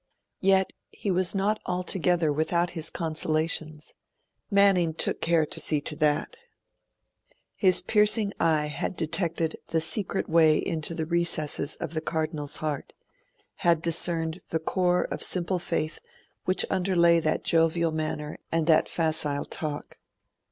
Yet, he was not altogether without his consolations; Manning took care to see to that. His piercing eye had detected the secret way into the recesses of the Cardinal's heart had discerned the core of simple faith which underlay that jovial manner and that facile talk.